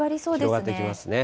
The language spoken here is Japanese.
広がってきますね。